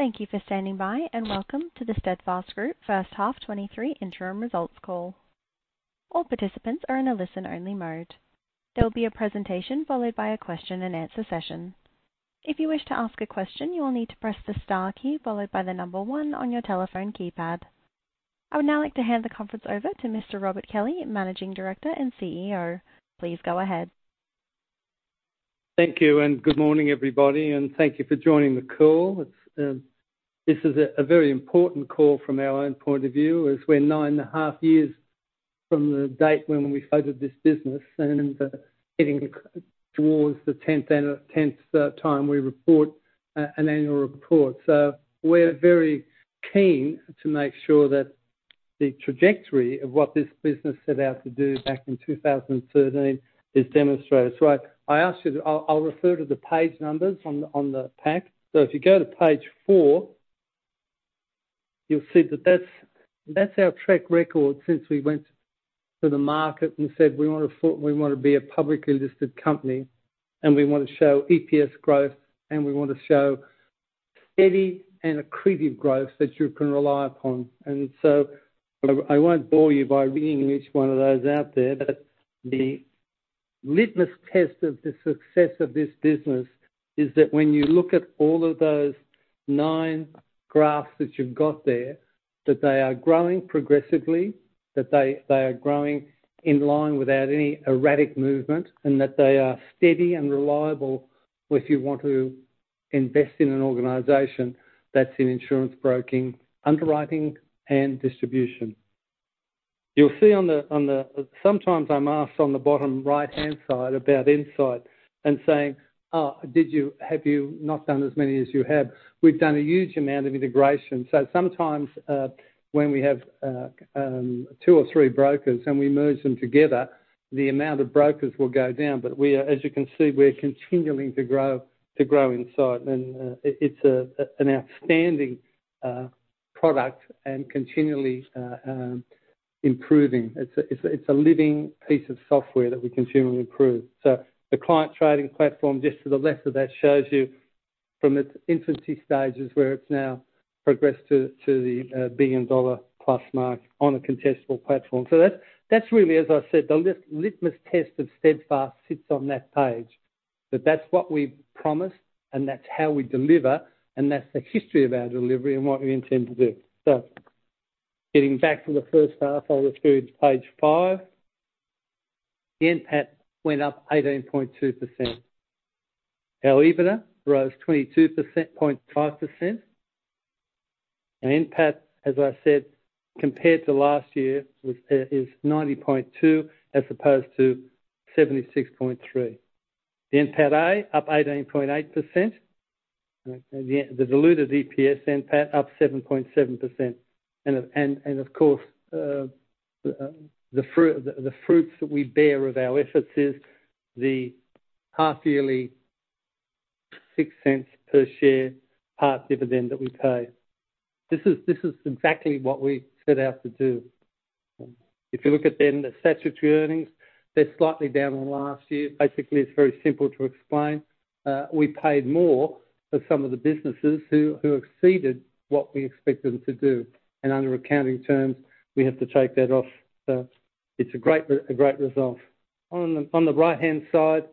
Thank you for standing by, and welcome to the Steadfast Group first half 2023 interim results call. All participants are in a listen-only mode. There will be a presentation followed by a question-and-answer session. If you wish to ask a question, you will need to press the star key followed by the number one on your telephone keypad. I would now like to hand the conference over to Mr. Robert Kelly, Managing Director and CEO. Please go ahead. Thank you. Good morning, everybody, and thank you for joining the call. It's, this is a very important call from our own point of view as we're 9 and a half years from the date when we floated this business and heading towards the 10th time we report an annual report. We're very keen to make sure that the trajectory of what this business set out to do back in 2013 is demonstrated. I ask you to. I'll refer to the page numbers on the pack. If you go to page four, you'll see that that's our track record since we went to the market and said, "We wanna be a publicly listed company, and we wanna show EPS growth, and we want to show steady and accretive growth that you can rely upon." I won't bore you by reading each one of those out there, but the litmus test of the success of this business is that when you look at all of those nine graphs that you've got there, that they are growing progressively, that they are growing in line without any erratic movement, and that they are steady and reliable if you want to invest in an organization that's in insurance broking, underwriting, and distribution. You'll see on the Sometimes I'm asked on the bottom right-hand side about INSIGHT and saying, "Have you not done as many as you have?" We've done a huge amount of integration. Sometimes, when we have two or three brokers and we merge them together, the amount of brokers will go down. We're, as you can see, we're continuing to grow in size. It's an outstanding product and continually improving. It's a living piece of software that we continually improve. The Steadfast Client Trading Platform just to the left of that shows you from its infancy stages, where it's now progressed to the billion-dollar plus mark on a contestable platform. That's really, as I said, the litmus test of Steadfast sits on that page. That's what we've promised, and that's how we deliver, and that's the history of our delivery and what we intend to do. Getting back to the first half, I'll refer you to page 5. The NPAT went up 18.2%. Our EBITDA rose 22.5%. NPAT, as I said, compared to last year is 90.2 as opposed to 76.3. The NPATA up 18.8%. The diluted EPS NPAT up 7.7%. Of course, the fruits that we bear of our efforts is the half-yearly AUD 0.06 per share half dividend that we pay. This is exactly what we set out to do. If you look at the statutory earnings, they're slightly down on last year. Basically, it's very simple to explain. We paid more for some of the businesses who exceeded what we expect them to do. Under accounting terms, we have to take that off. It's a great result. On the right-hand side,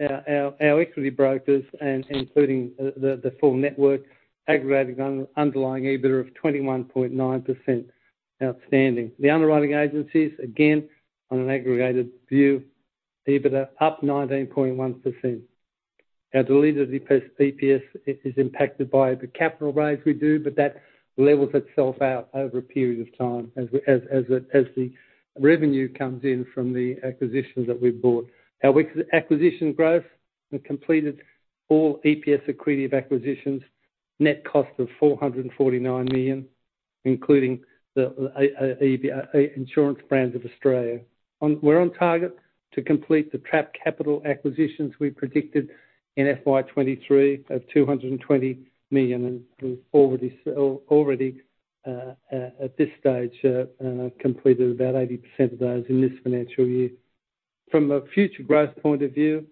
our equity brokers and including the full network aggregated underlying EBITDA of 21.9%. Outstanding. The underwriting agencies, again, on an aggregated view, EBITDA up 19.1%. Our diluted EPS is impacted by the capital raise we do, but that levels itself out over a period of time as the revenue comes in from the acquisitions that we've bought. Our acquisition growth, we completed all EPS accretive acquisitions, net cost of 449 million, including Insurance Brands Australia. We're on target to complete the trapped capital acquisitions we predicted in FY 2023 of 220 million and already at this stage completed about 80% of those in this financial year. From a future growth point of view,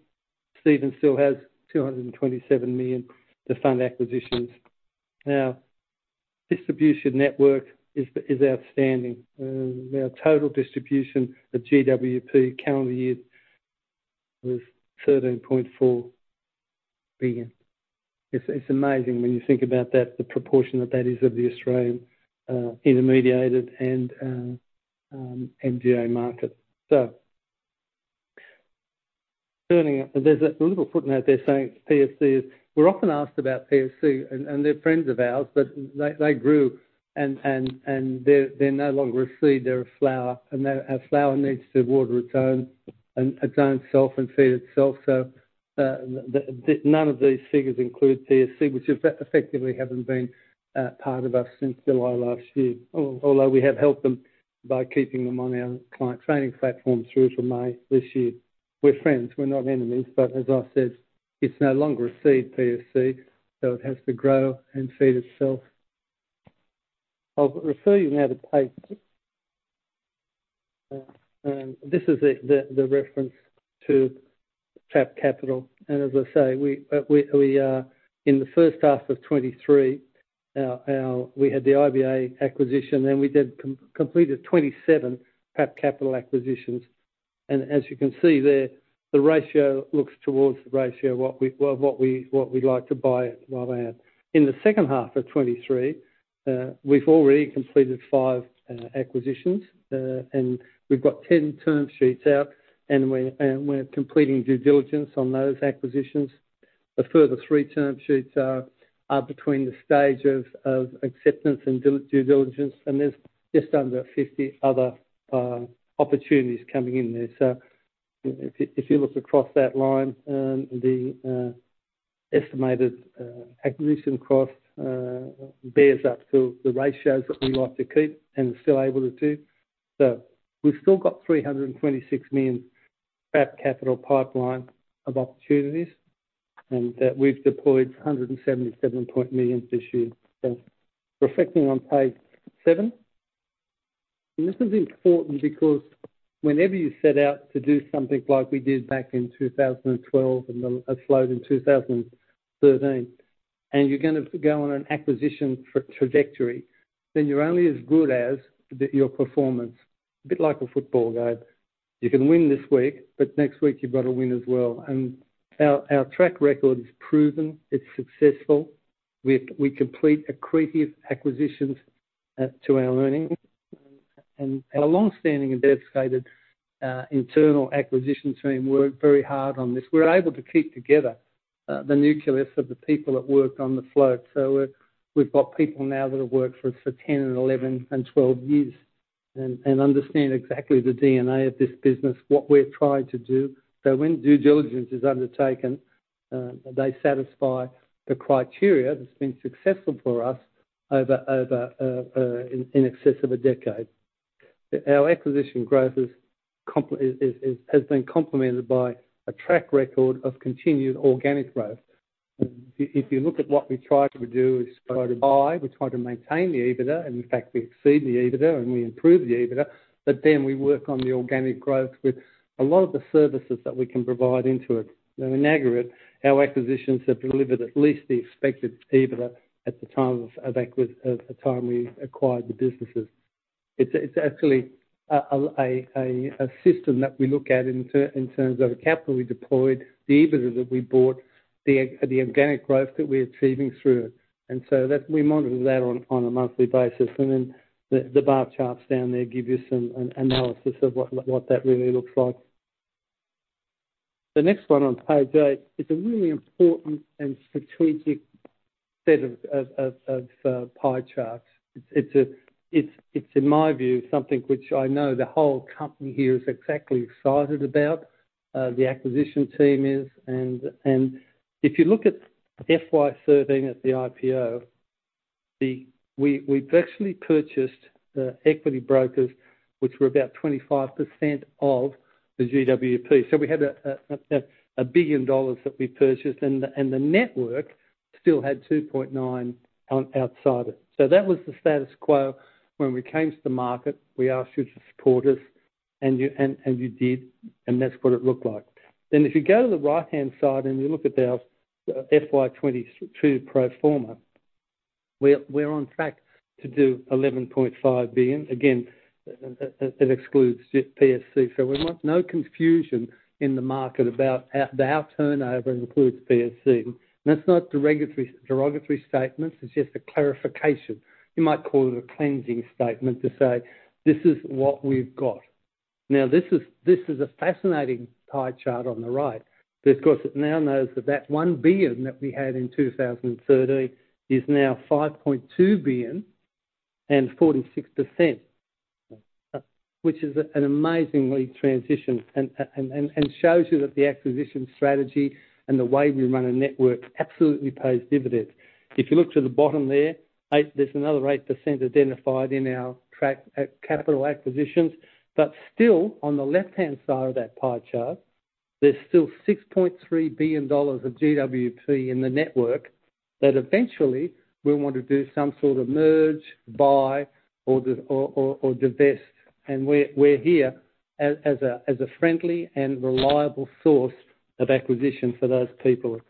Stephen still has 227 million to fund acquisitions. Distribution network is outstanding. Our total distribution of GWP calendar year was 13.4 billion. It's amazing when you think about that, the proportion that that is of the Australian intermediated and MGA market. Turning up, there's a little footnote there saying PFC is. We're often asked about PFC, and they're friends of ours, but they grew and they're no longer a seed, they're a flower. A flower needs to water its own and its own self and feed itself. None of these figures include PFC, which effectively haven't been part of us since July last year. Although we have helped them by keeping them on our client training platform through to May this year. We're friends, we're not enemies. As I said, it's no longer a seed, PFC, so it has to grow and feed itself. I'll refer you now to page. This is the reference to Trapped Capital. As I say, we in the first half of 23, we had the IBA acquisition, and we completed 27 Trapped Capital acquisitions. As you can see there, the ratio looks towards the ratio what we'd like to buy going out. In the second half of 2023, we've already completed 5 acquisitions. We've got 10 term sheets out, and we're completing due diligence on those acquisitions. A further 3 term sheets are between the stage of acceptance and due diligence, and there's just under 50 other opportunities coming in there. If you look across that line, the estimated acquisition cost bears up to the ratios that we like to keep and still able to do. We've still got 326 million Trapped Capital pipeline of opportunities and that we've deployed 177 million this year. Reflecting on page 7, this is important because whenever you set out to do something like we did back in 2012 and a float in 2013, you're gonna go on an acquisition trajectory, you're only as good as your performance. A bit like a football game. You can win this week, but next week you've got to win as well. Our track record is proven, it's successful. We complete accretive acquisitions to our earnings. Our long-standing and dedicated internal acquisition team work very hard on this. We're able to keep together the nucleus of the people that worked on the float. We've got people now that have worked for us for 10 and 11 and 12 years and understand exactly the DNA of this business, what we're trying to do. When due diligence is undertaken, they satisfy the criteria that's been successful for us over in excess of a decade. Our acquisition growth has been complemented by a track record of continued organic growth. If you look at what we try to do is try to buy, we try to maintain the EBITDA, and in fact, we exceed the EBITDA, and we improve the EBITDA, but then we work on the organic growth with a lot of the services that we can provide into it. In aggregate, our acquisitions have delivered at least the expected EBITDA at the time we acquired the businesses. It's actually a system that we look at in terms of the capital we deployed, the EBITDA that we bought, the organic growth that we're achieving through it. We monitor that on a monthly basis. The bar charts down there give you some analysis of what that really looks like. The next one on page 8 is a really important and strategic set of pie charts. It's in my view, something which I know the whole company here is exactly excited about, the acquisition team is. If you look at FY 2013 at the IPO, we virtually purchased the equity brokers, which were about 25% of the GWP. We had 1 billion dollars that we purchased, and the network still had 2.9 billion on outside it. That was the status quo when we came to the market. We asked you to support us, and you did, and that's what it looked like. If you go to the right-hand side and you look at our FY 2022 pro forma, we're on track to do 11.5 billion. Again, that excludes just PSC. We want no confusion in the market about our turnover includes PSC. That's not derogatory statements, it's just a clarification. You might call it a cleansing statement to say, "This is what we've got." This is a fascinating pie chart on the right because it now knows that that 1 billion that we had in 2013 is now 5.2 billion and 46%, which is an amazingly transition and shows you that the acquisition strategy and the way we run a network absolutely pays dividends. You look to the bottom there's another 8% identified in our track capital acquisitions. Still, on the left-hand side of that pie chart, there's still 6.3 billion dollars of GWP in the network that eventually we want to do some sort of merge, buy or divest. We're here as a friendly and reliable source of acquisition for those people.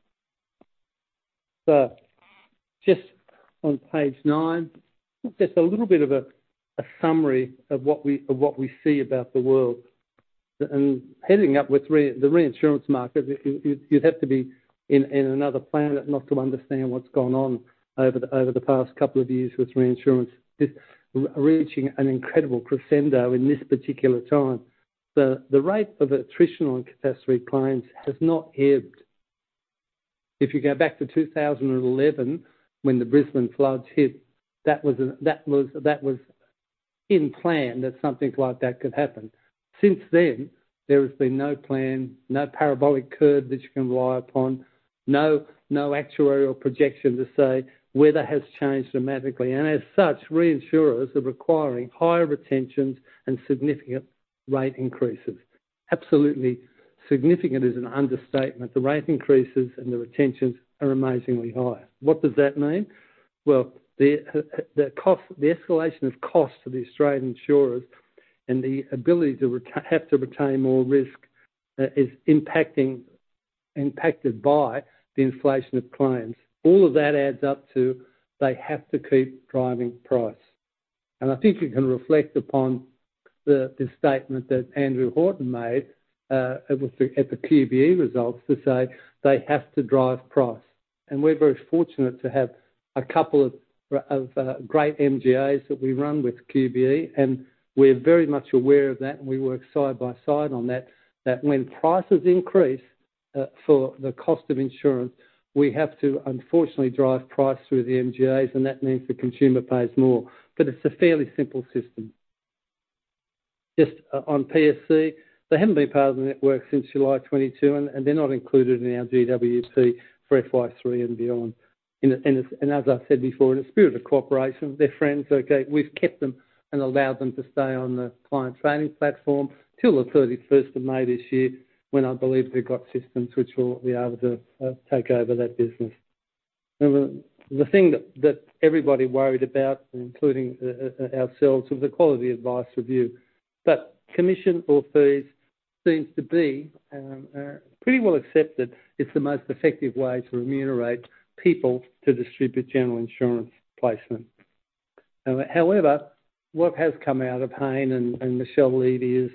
Just on page nine, a little bit of a summary of what we see about the world. Heading up with the reinsurance market, you'd have to be in another planet not to understand what's gone on over the past couple of years with reinsurance. It's reaching an incredible crescendo in this particular time. The rate of attritional and catastrophe claims has not ebbed. If you go back to 2011 when the Brisbane floods hit, that was in plan that something like that could happen. Since then, there has been no plan, no parabolic curve that you can rely upon, no actuarial projection to say weather has changed dramatically. As such, reinsurers are requiring higher retentions and significant rate increases. Absolutely significant is an understatement. The rate increases and the retentions are amazingly high. What does that mean? Well, the escalation of cost to the Australian insurers and the ability to retain more risk is impacted by the inflation of claims. All of that adds up to they have to keep driving price. I think you can reflect upon the statement that Andrew Horton made at the QBE results to say, "They have to drive price." We're very fortunate to have a couple of great MGAs that we run with QBE, and we're very much aware of that, and we work side by side on that. When prices increase for the cost of insurance, we have to unfortunately drive price through the MGAs, and that means the consumer pays more. It's a fairly simple system. Just on PSC, they haven't been part of the network since July 2022, and they're not included in our GWP for FY3 and beyond. As I said before, in a spirit of cooperation, they're friends, okay. We've kept them and allowed them to stay on the Client Trading Platform till the 31st of May this year, when I believe they've got systems which will be able to take over that business. The thing that everybody worried about, including ourselves, was the Quality of Advice Review. Commission or fees seems to be pretty well accepted. It's the most effective way to remunerate people to distribute general insurance placement. However, what has come out of Hayne and Michelle Levy is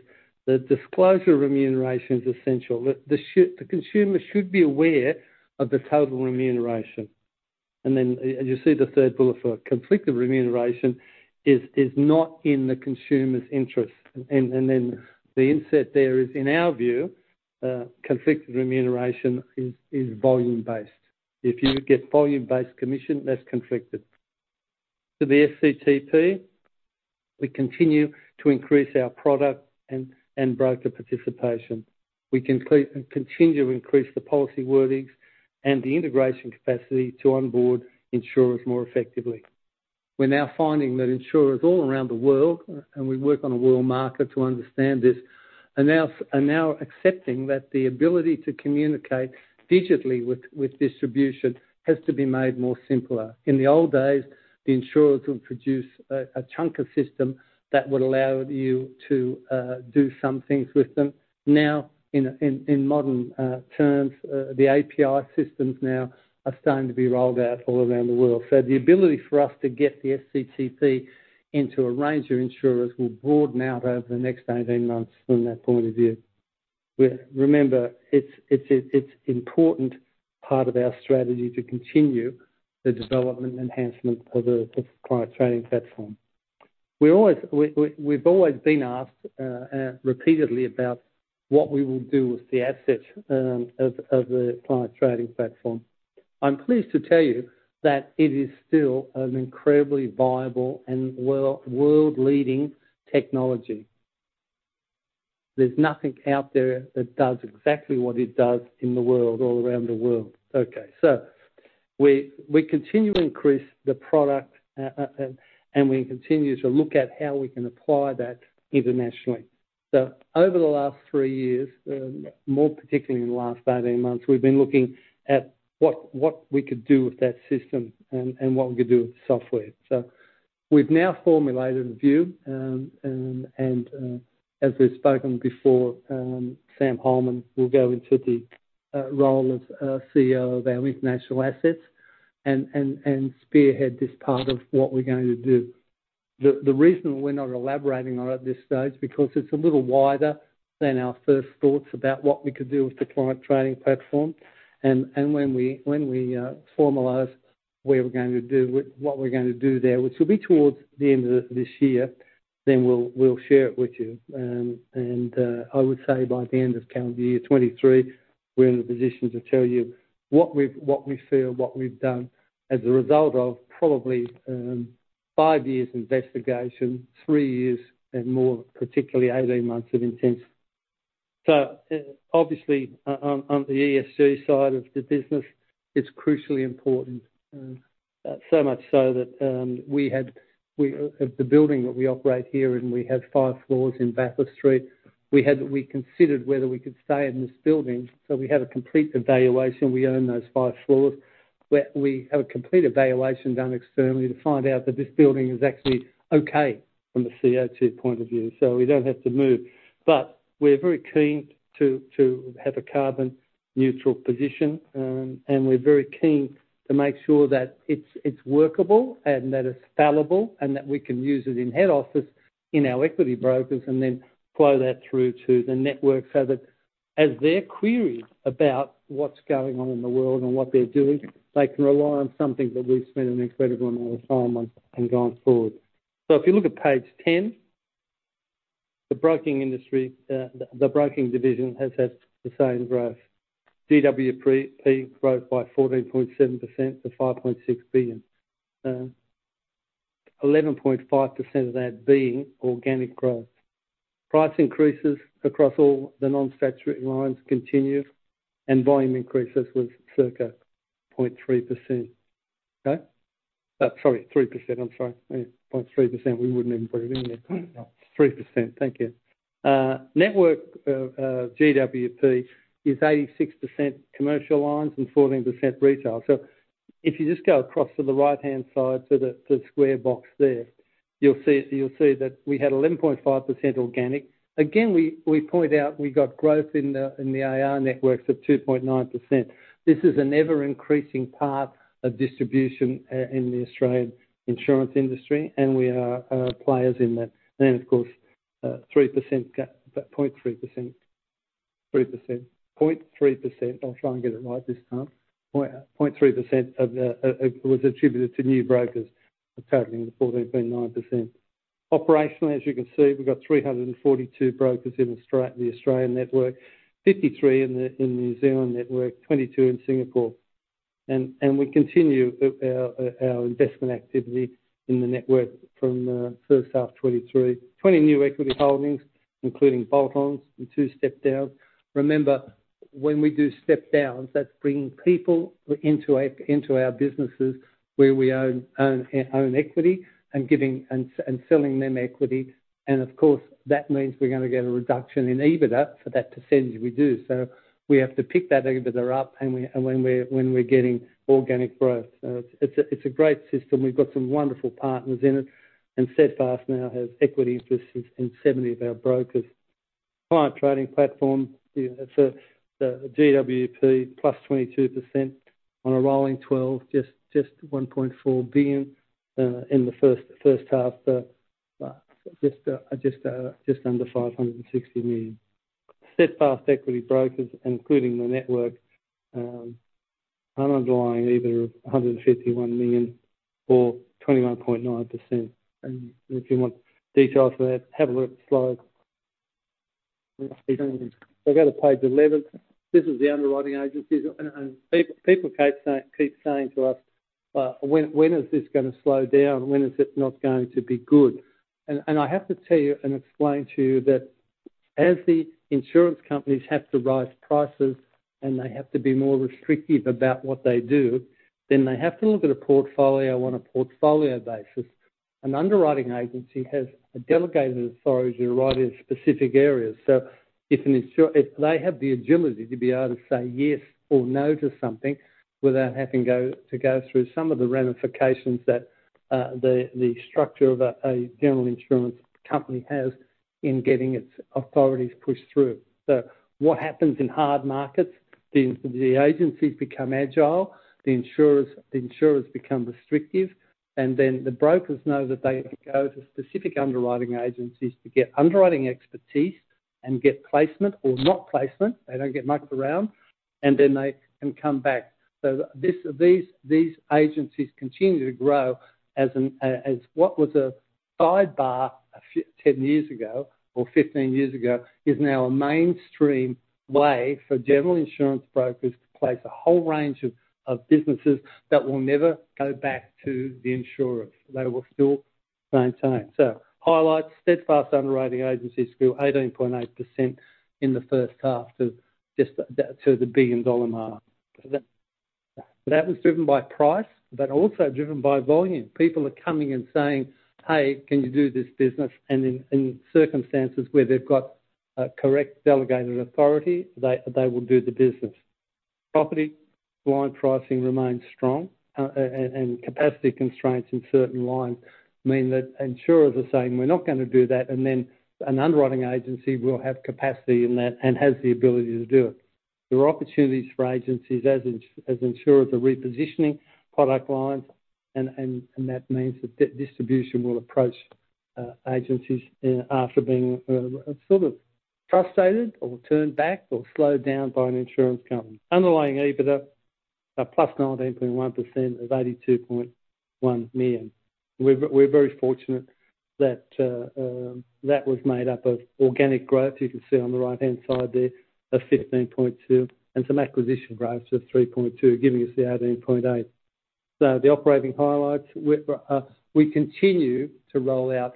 the disclosure remuneration is essential. The consumer should be aware of the total remuneration. As you see the third bullet for conflicted remuneration is not in the consumer's interest. The inset there is, in our view, conflicted remuneration is volume-based. If you get volume-based commission, that's conflicted. To the SCTP, we continue to increase our product and broker participation. We continue to increase the policy wordings and the integration capacity to onboard insurers more effectively. We're now finding that insurers all around the world, and we work on a world market to understand this, are now accepting that the ability to communicate digitally with distribution has to be made more simpler. In the old days, the insurers would produce a chunk of system that would allow you to do some things with them. Now, in modern terms, the API systems now are starting to be rolled out all around the world. The ability for us to get the SCTP into a range of insurers will broaden out over the next 18 months from that point of view. Remember, it's important part of our strategy to continue the development and enhancement of the client trading platform. We've always been asked repeatedly about what we will do with the assets of the Client Trading Platform. I'm pleased to tell you that it is still an incredibly viable and world-leading technology. There's nothing out there that does exactly what it does in the world, all around the world. We continue to increase the product and we continue to look at how we can apply that internationally. Over the last three years, more particularly in the last 18 months, we've been looking at what we could do with that system and what we could do with the software. We've now formulated a view, and as we've spoken before, Sam Hollman will go into the role of CEO of our international assets and spearhead this part of what we're going to do. The reason we're not elaborating on it at this stage, because it's a little wider than our first thoughts about what we could do with the Client Trading Platform. When we formalize what we're gonna do there, which will be towards the end of this year, then we'll share it with you. I would say by the end of calendar year 2023, we're in the position to tell you what we've, what we feel, what we've done as a result of probably five years investigation, three years, and more particularly 18 months of intense. Obviously on the ESG side of the business, it's crucially important. So much so that the building that we operate here in, we have five floors in Bathurst Street. We considered whether we could stay in this building, so we had a complete evaluation. We own those five floors. We have a complete evaluation done externally to find out that this building is actually okay from the CO2 point of view, so we don't have to move. We're very keen to have a carbon neutral position, and we're very keen to make sure that it's workable and that it's scalable and that we can use it in head office, in our equity brokers, and then flow that through to the network so that as they're queried about what's going on in the world and what they're doing, they can rely on something that we've spent an incredible amount of time on and going forward. If you look at page 10, the broking industry, the broking division has had the same growth. GWP growth by 14.7% to 5.6 billion. 11.5% of that being organic growth. Price increases across all the non-statutory lines continued and volume increases was circa 0.3%. Okay. Sorry, 3%. I'm sorry. Yeah, 0.3%, we wouldn't even put it in there. 3%. Thank you. Network GWP is 86% commercial lines and 14% retail. If you just go across to the right-hand side to the square box there, you'll see that we had 11.5% organic. Again, we point out we got growth in the AR networks of 2.9%. This is an ever-increasing part of distribution in the Australian insurance industry, and we are players in that. Of course, 3%, 0.3%, 3%, 0.3%. I'll try and get it right this time. 0.3% of the was attributed to new brokers accounting for 14.9%. Operationally, as you can see, we've got 342 brokers in the Australian network, 53 in the New Zealand network, 22 in Singapore. We continue our investment activity in the network from first half 2023. 20 new equity holdings, including bolt-ons and 2 step downs. Remember, when we do step downs, that's bringing people into our businesses where we own equity and giving and selling them equity. Of course, that means we're gonna get a reduction in EBITDA for that percentage we do. We have to pick that EBITDA up when we're getting organic growth. It's a great system. We've got some wonderful partners in it. Steadfast now has equity interests in 70 of our brokers. Client Trading Platform, yeah, so the GWP plus 22% on a rolling twelve, just 1.4 billion in the first half, but just under 560 million. Steadfast equity brokers, including the network, underlying EBITDA of 151 million or 21.9%. If you want details for that, have a look at the slide. Go to page 11. This is the underwriting agencies. People keep saying to us, "When, when is this gonna slow down? When is it not going to be good?" I have to tell you and explain to you that as the insurance companies have to rise prices and they have to be more restrictive about what they do, then they have to look at a portfolio on a portfolio basis. An underwriting agency has a delegated authority to underwrite in specific areas. If they have the agility to be able to say yes or no to something without having to go through some of the ramifications that the structure of a general insurance company has in getting its authorities pushed through. What happens in hard markets, the agencies become agile, the insurers become restrictive, the brokers know that they can go to specific underwriting agencies to get underwriting expertise and get placement or not placement. They don't get mucked around. They can come back. These agencies continue to grow as what was a sidebar 10 years ago or 15 years ago is now a mainstream way for general insurance brokers to place a whole range of businesses that will never go back to the insurer. They will still maintain. Highlights, Steadfast underwriting agencies grew 18.8% in the first half to the billion-dollar mark. That was driven by price, also driven by volume. People are coming and saying, "Hey, can you do this business?" In circumstances where they've got correct delegated authority, they will do the business. Property line pricing remains strong, and capacity constraints in certain lines mean that insurers are saying, "We're not gonna do that." An underwriting agency will have capacity in that and has the ability to do it. There are opportunities for agencies as insurers are repositioning product lines and that means that distribution will approach agencies after being sort of frustrated or turned back or slowed down by an insurance company. Underlying EBITDA plus 19.1% of 82.1 million. We're very fortunate that that was made up of organic growth, you can see on the right-hand side there, of 15.2%, and some acquisition growth of 3.2%, giving us the 18.8%. The operating highlights, we continue to roll out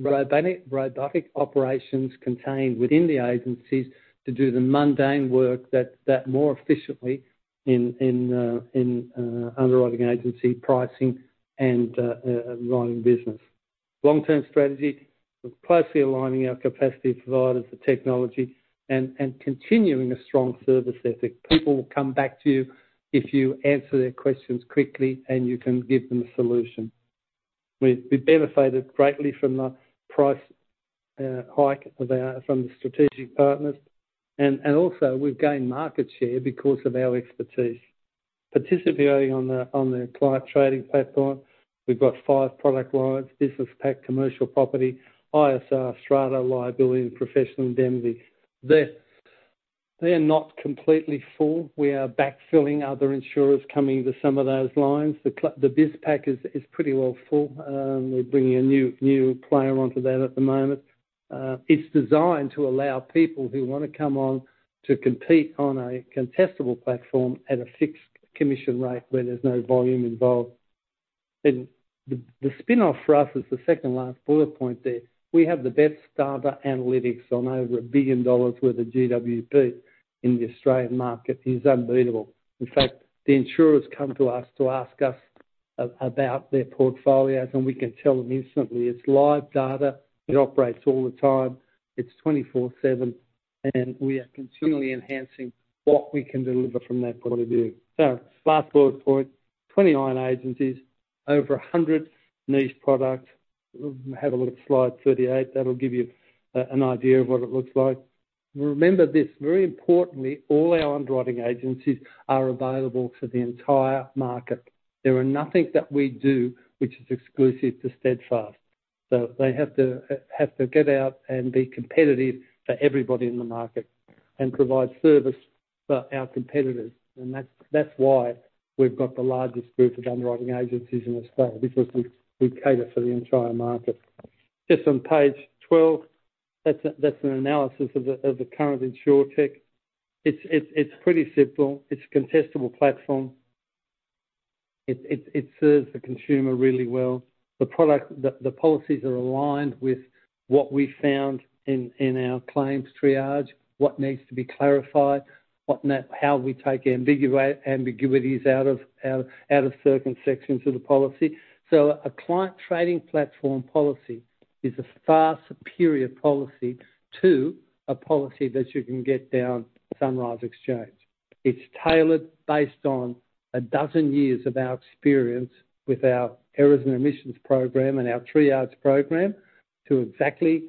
robotic operations contained within the agencies to do the mundane work that more efficiently in underwriting agency pricing and underwriting business. Long-term strategy, we're closely aligning our capacity providers for technology and continuing a strong service ethic. People will come back to you if you answer their questions quickly and you can give them a solution. We benefited greatly from the price hike of our from the strategic partners. Also we've gained market share because of our expertise. Participating on the Client Trading Platform, we've got five product lines: Business Pack, commercial property, ISR, strata liability, and professional indemnity. They're not completely full. We are backfilling other insurers coming to some of those lines. The Business Pack is pretty well full. We're bringing a new player onto that at the moment. It's designed to allow people who wanna come on to compete on a contestable platform at a fixed commission rate where there's no volume involved. The spinoff for us is the second last bullet point there. We have the best data analytics on over 1 billion dollars worth of GWP in the Australian market, is unbeatable. In fact, the insurers come to us to ask us about their portfolios, and we can tell them instantly. It's live data, it operates all the time, it's 24/7, and we are continually enhancing what we can deliver from that point of view. Last bullet point, 20 underwriting agencies, over 100 niche products. Have a look at slide 38, that'll give you an idea of what it looks like. Remember this, very importantly, all our underwriting agencies are available to the entire market. There are nothing that we do which is exclusive to Steadfast. They have to get out and be competitive for everybody in the market and provide service for our competitors. That's why we've got the largest group of underwriting agencies in Australia because we cater for the entire market. On page 12, that's an analysis of the current Insurtech. It's pretty simple. It's a contestable platform. It serves the consumer really well. The product... The policies are aligned with what we found in our claims triage, what needs to be clarified, how we take ambiguities out of certain sections of the policy. A Client Trading Platform policy is a far superior policy to a policy that you can get down Sunrise Exchange. It's tailored based on a dozen years of our experience with our errors and omissions program and our triage program to exactly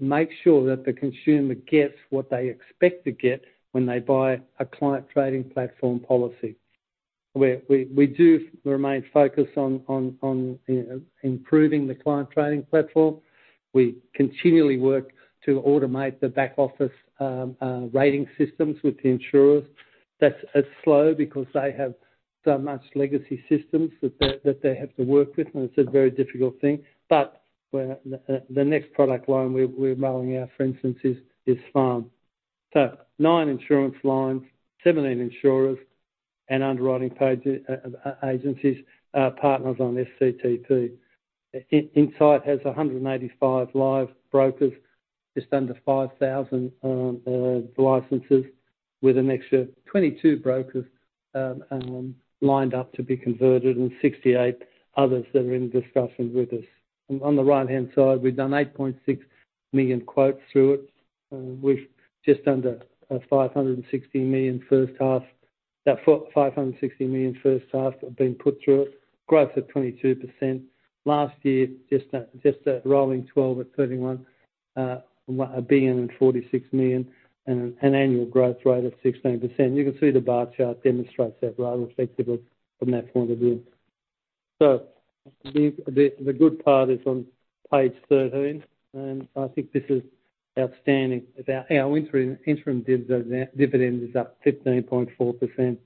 make sure that the consumer gets what they expect to get when they buy a Client Trading Platform policy. We do remain focused on, you know, improving the Client Trading Platform. We continually work to automate the back-office rating systems with the insurers. That's as slow because they have so much legacy systems that they, that they have to work with, and it's a very difficult thing. The next product line we're rolling out, for instance, is farm. 9 insurance lines, 17 insurers and underwriting agencies are partners on SCTP. INSIGHT has 185 live brokers, just under 5,000 licenses with an extra 22 brokers lined up to be converted and 68 others that are in discussions with us. On the right-hand side, we've done 8.6 million quotes through it. We've just under 560 million first half. That 560 million first half have been put through it. Growth of 22%. Last year, a rolling 12 at 1.046 billion and an annual growth rate of 16%. You can see the bar chart demonstrates that rather effectively from that point of view. The good part is on page 13, and I think this is outstanding. About our interim dividend is up 15.4%,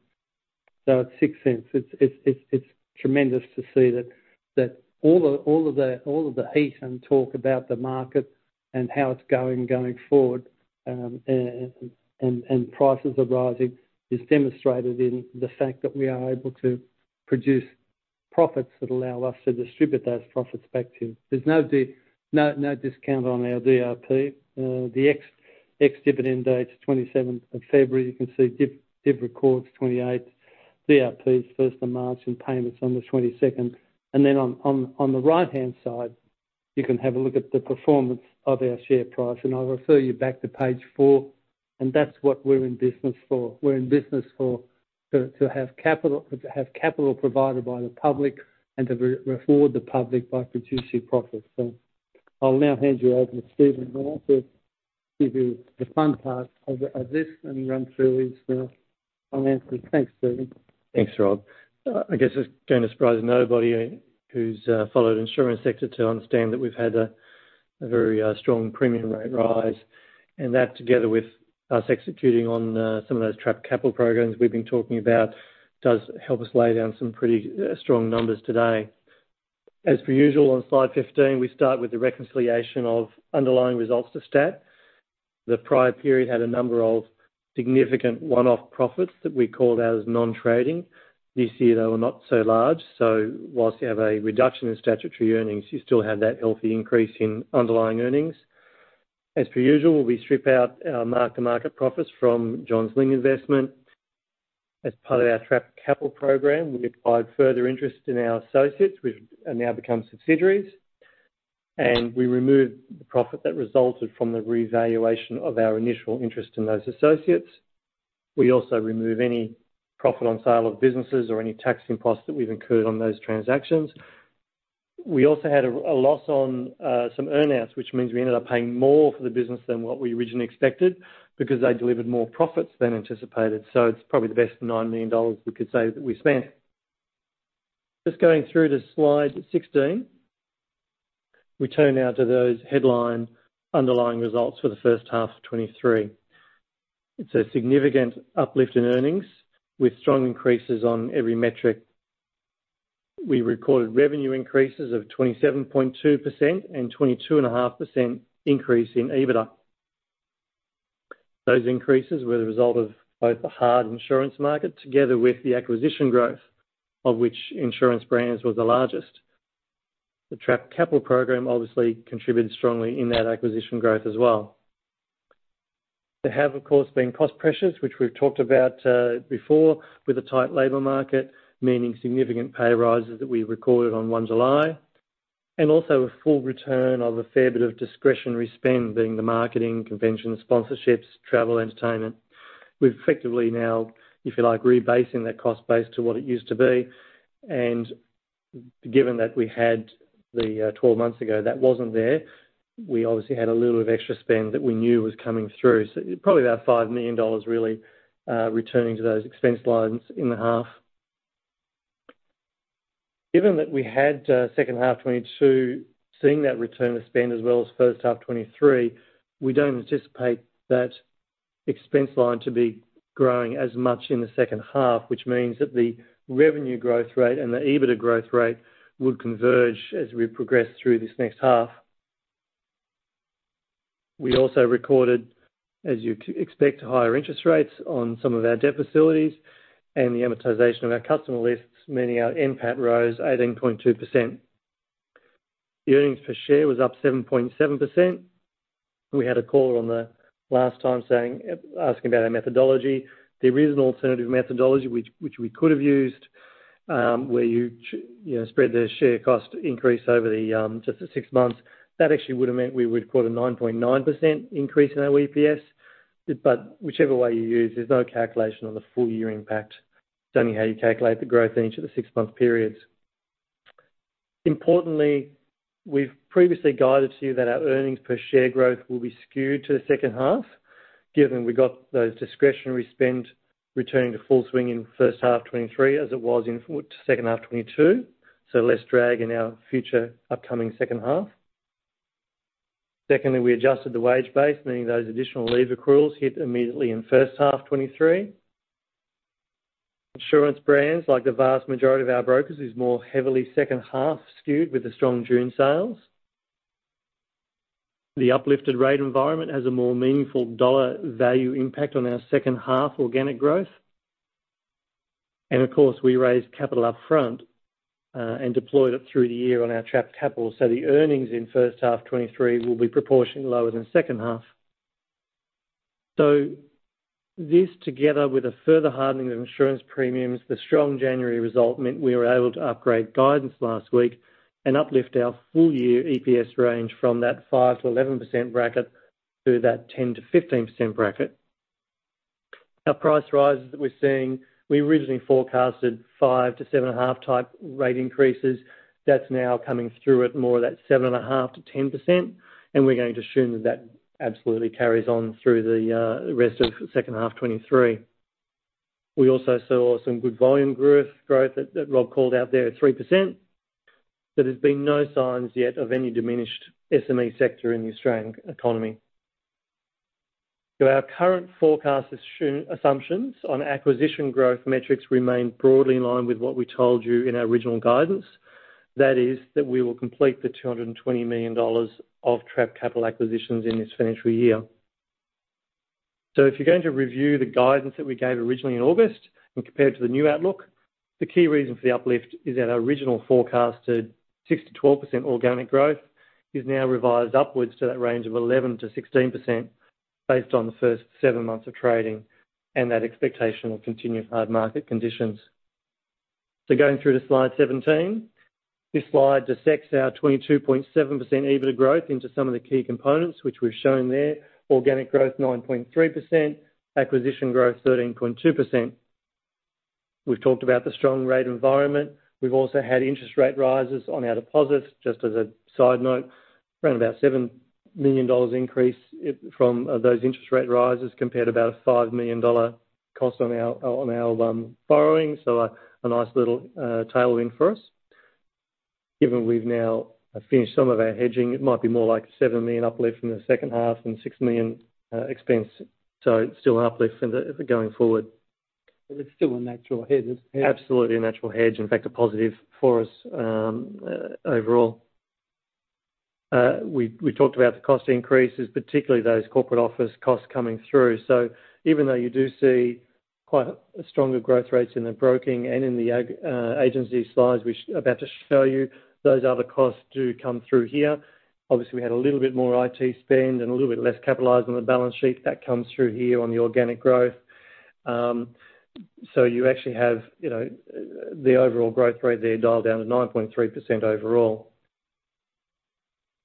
so it's 0.06. It's tremendous to see that all the heat and talk about the market and how it's going forward, and prices are rising, is demonstrated in the fact that we are able to produce profits that allow us to distribute those profits back to you. There's no discount on our DRP. The ex-dividend date is 27th of February. You can see records 28. DRP's 1st of March and payment's on the 22nd. Then on the right-hand side, you can have a look at the performance of our share price. I refer you back to page 4, and that's what we're in business for. We're in business for, to have capital provided by the public and to re-reward the public by producing profits. I'll now hand you over to Stephen, who will also give you the fun part of this and run through his finances. Thanks, Stephen. Thanks, Robert. I guess it's going to surprise nobody who's followed insurance sector to understand that we've had a very strong premium rate rise, and that together with us executing on some of those trapped capital programs we've been talking about, does help us lay down some pretty strong numbers today. As per usual, on slide 15, we start with the reconciliation of underlying results to stat. The prior period had a number of significant one-off profits that we called out as nontrading. This year, they were not so large. While you have a reduction in statutory earnings, you still have that healthy increase in underlying earnings. As per usual, we strip out our mark-to-market profits from Johns Lyng investment. As part of our trapped capital program, we acquired further interest in our associates which have now become subsidiaries. We removed the profit that resulted from the revaluation of our initial interest in those associates. We also remove any profit on sale of businesses or any tax costs that we've incurred on those transactions. We also had a loss on some earn-outs, which means we ended up paying more for the business than what we originally expected because they delivered more profits than anticipated. It's probably the best $9 million we could say that we spent. Just going through to slide 16. We turn now to those headline underlying results for the first half of 2023. It's a significant uplift in earnings with strong increases on every metric. We recorded revenue increases of 27.2% and 22.5% increase in EBITDA. Those increases were the result of both the hard insurance market together with the acquisition growth, of which Insurance Brands was the largest. The trapped capital program obviously contributed strongly in that acquisition growth as well. There have, of course, been cost pressures, which we've talked about before, with the tight labor market, meaning significant pay rises that we recorded on one July. Also a full return of a fair bit of discretionary spend, being the marketing convention, sponsorships, travel, entertainment. We've effectively now, if you like, rebasing that cost base to what it used to be. Given that we had the 12 months ago that wasn't there, we obviously had a little of extra spend that we knew was coming through. Probably about 5 million dollars really, returning to those expense lines in the half. Given that we had second half 2022, seeing that return of spend as well as first half 2023, we don't anticipate that expense line to be growing as much in the second half, which means that the revenue growth rate and the EBITDA growth rate would converge as we progress through this next half. We also recorded, as you'd expect, higher interest rates on some of our debt facilities and the amortization of our customer lists, meaning our NPAT rose 18.2%. The earnings per share was up 7.7%. We had a caller on the last time saying, asking about our methodology. There is an alternative methodology which we could have used, where you know, spread the share cost increase over the just the six months. That actually would have meant we would quote a 9.9% increase in our EPS. Whichever way you use, there's no calculation on the full year impact. It's only how you calculate the growth in each of the 6-month periods. Importantly, we've previously guided to you that our earnings per share growth will be skewed to the second half, given we got those discretionary spend returning to full swing in first half 2023 as it was in second half 2022. Less drag in our future upcoming second half. Secondly, we adjusted the wage base, meaning those additional leave accruals hit immediately in first half 2023. Insurance Brands, like the vast majority of our brokers, is more heavily second half skewed with the strong June sales. The uplifted rate environment has a more meaningful dollar value impact on our second half organic growth. Of course, we raised capital upfront and deployed it through the year on our trapped capital. The earnings in first half 2023 will be proportionally lower than second half. This, together with a further hardening of insurance premiums, the strong January result meant we were able to upgrade guidance last week and uplift our full year EPS range from that 5%-11% bracket to that 10%-15% bracket. Our price rises that we're seeing, we originally forecasted 5% to 7.5% type rate increases. That's now coming through at more of that 7.5%-10%, and we're going to assume that that absolutely carries on through the rest of second half 2023. We also saw some good volume growth that Robert called out there at 3%. There has been no signs yet of any diminished SME sector in the Australian economy. Our current forecast assumptions on acquisition growth metrics remain broadly in line with what we told you in our original guidance. That is, that we will complete the 220 million dollars of trapped capital acquisitions in this financial year. If you're going to review the guidance that we gave originally in August and compare it to the new outlook, the key reason for the uplift is that our original forecasted 6%-12% organic growth is now revised upwards to that range of 11%-16% based on the first seven months of trading and that expectation of continued hard market conditions. Going through to slide 17. This slide dissects our 22.7% EBITDA growth into some of the key components which we've shown there. Organic growth, 9.3%. Acquisition growth, 13.2%. We've talked about the strong rate environment. We've also had interest rate rises on our deposits. Just as a side note, around about 7 million dollars increase from those interest rate rises compared to about a 5 million dollar cost on our, on our borrowing. A nice little tailwind for us. Given we've now finished some of our hedging, it might be more like 7 million uplift from the second half and 6 million expense. It's still an uplift for the going forward. It's still a natural hedge, isn't it? Absolutely a natural hedge, in fact, a positive for us overall. We talked about the cost increases, particularly those corporate office costs coming through. Even though you do see quite stronger growth rates in the broking and in the agency slides we're about to show you, those other costs do come through here. Obviously, we had a little bit more IT spend and a little bit less capitalized on the balance sheet. That comes through here on the organic growth. You actually have, you know, the overall growth rate there dialed down to 9.3% overall.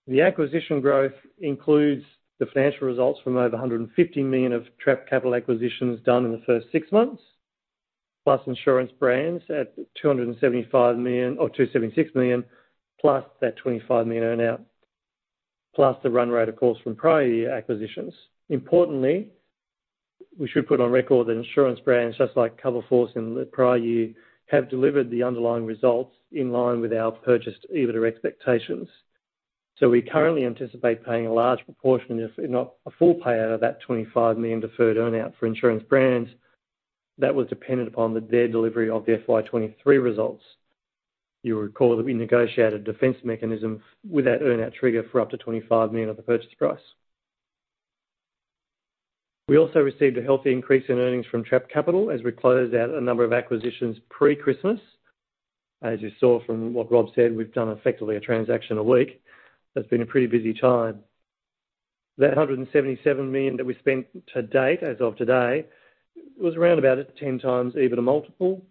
The acquisition growth includes the financial results from over 150 million of trapped capital acquisitions done in the first six months, plus Insurance Brands at 275 million or 276 million, plus that 25 million earn-out. The run rate, of course, from prior year acquisitions. Importantly, we should put on record that Insurance Brands, just like Coverforce in the prior year, have delivered the underlying results in line with our purchased EBITDA expectations. We currently anticipate paying a large proportion, if not a full payout, of that 25 million deferred earn-out for Insurance Brands. That was dependent upon their delivery of the FY 23 results. You'll recall that we negotiated defense mechanisms with that earn-out trigger for up to 25 million of the purchase price. We also received a healthy increase in earnings from trapped capital as we closed out a number of acquisitions pre-Christmas. As you saw from what Robert said, we've done effectively a transaction a week. It's been a pretty busy time. That 177 million that we spent to date as of today was around about at 10x EBITA multiple.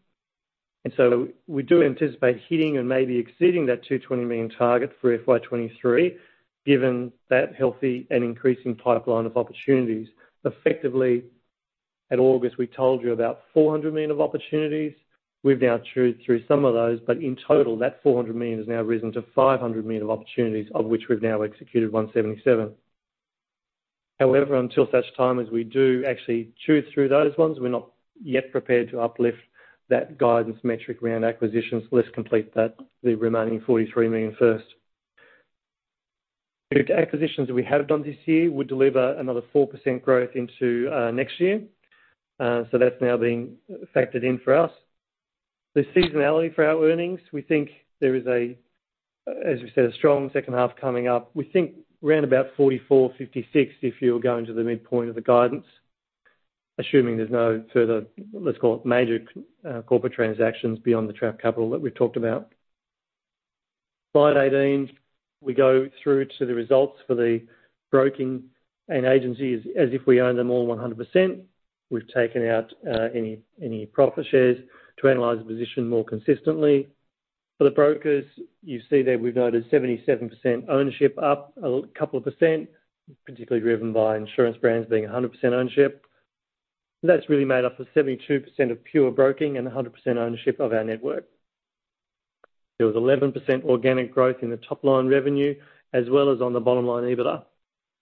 We do anticipate hitting and maybe exceeding that 220 million target for FY 2023, given that healthy and increasing pipeline of opportunities. Effectively, at August, we told you about 400 million of opportunities. We've now chewed through some of those, in total, that 400 million has now risen to 500 million of opportunities, of which we've now executed 177 million. Until such time as we do actually chew through those ones, we're not yet prepared to uplift that guidance metric around acquisitions. Let's complete that, the remaining 43 million first. The acquisitions that we have done this year would deliver another 4% growth into next year. That's now being factored in for us. The seasonality for our earnings, we think there is a, as we said, a strong second half coming up. We think round about 44%-56%, if you're going to the midpoint of the guidance, assuming there's no further, let's call it major corporate transactions beyond the trapped capital that we've talked about. Slide 18, we go through to the results for the broking and agencies as if we own them all 100%. We've taken out any profit shares to analyze the position more consistently. For the brokers, you see that we've noted 77% ownership, up a couple of %, particularly driven by Insurance Brands being 100% ownership. That's really made up for 72% of pure broking and 100% ownership of our network. There was 11% organic growth in the top line revenue as well as on the bottom line EBITA.